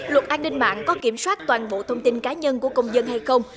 luật an ninh mạng có kiểm soát toàn bộ thông tin cá nhân của công dân hay không